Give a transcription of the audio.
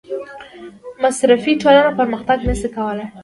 مصرفي ټولنه پرمختګ نشي کولی.